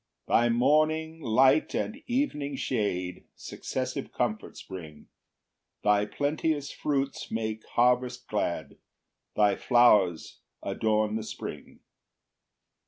2 Thy morning light and evening shade Successive comforts bring; Thy plenteous fruits make harvest glad, Thy flowers adorn the spring.